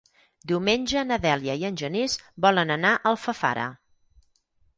Diumenge na Dèlia i en Genís volen anar a Alfafara.